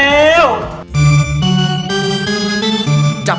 เออนะ